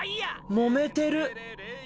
もめてる？